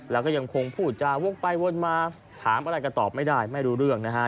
แล้วก็ยังคงพูดจาวกไปวนมาถามอะไรก็ตอบไม่ได้ไม่รู้เรื่องนะฮะ